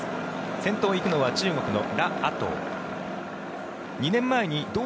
先頭を行くのは中国のラ・アトウ。